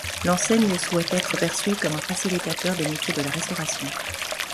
L'enseigne souhaite être perçue comme un facilitateur des métiers de la restauration.